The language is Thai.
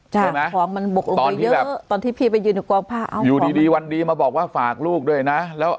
ใช่ไหมอยู่ดีวันดีมาบอกว่าฝากลูกด้วยนะ